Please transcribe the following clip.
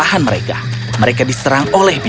aku menggunakan keraksi